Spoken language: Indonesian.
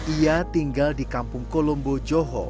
ia tinggal di kampung kolombo joho